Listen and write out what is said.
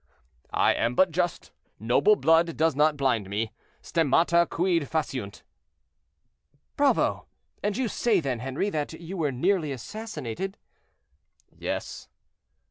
"I am but just; noble blood does not blind me. 'Stemmata quid faciunt?'" "Bravo! and you say, then, Henri, that you were nearly assassinated?" "Yes."